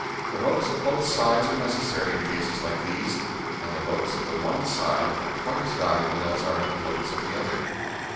The votes of both sides are necessary in cases like these, and the votes of the one side are quite as valuable as are the votes of the other.